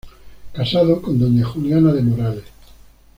Casado con doña Juliana de Morales.